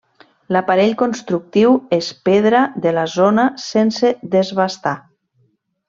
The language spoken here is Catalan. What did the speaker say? L'aparell constructiu és pedra de la zona sense desbastar.